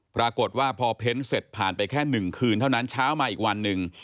ปรากฏว่าพอเพ้นเสร็จผ่านไปแค่๑คืนเท่านั้นเช้ามาอีกวันหนึ่ง